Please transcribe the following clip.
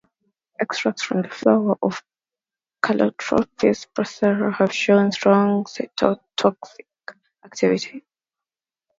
Extracts from the flowers of "Calotropis procera" have shown strong cytotoxic activity.